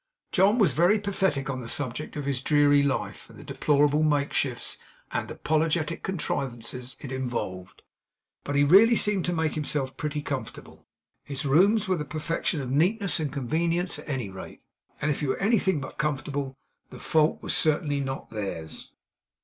John was very pathetic on the subject of his dreary life, and the deplorable makeshifts and apologetic contrivances it involved, but he really seemed to make himself pretty comfortable. His rooms were the perfection of neatness and convenience at any rate; and if he were anything but comfortable, the fault was certainly not theirs.